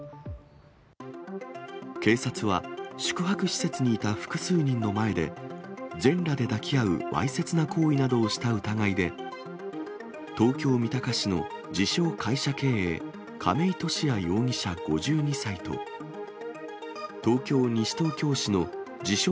警察は、宿泊施設にいた複数人の前で、全裸で抱き合うわいせつな行為などをした疑いで、東京・三鷹市の自称会社経営、亀井俊哉容疑者５２歳と、東京・西東京市の自称